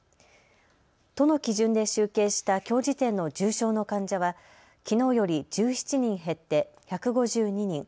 都の基準で集計したきょう時点の重症の患者はきのうより１７人減って１５２人。